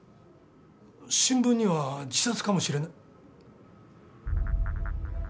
新聞には自殺かもしれな。